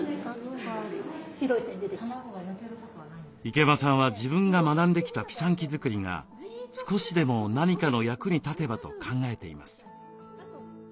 池間さんは自分が学んできたピサンキ作りが少しでも何かの役に立てばと考えています。